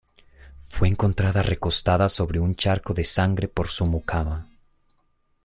Fue encontrada recostada sobre un charco de sangre por su mucama.